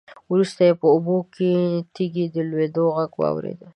وروسته يې په اوبو کې د تېږې د لوېدو غږ واورېد.